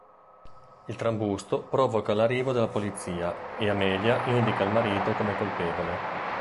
Il trambusto provoca l'arrivo della polizia, e Amelia indica il marito come colpevole.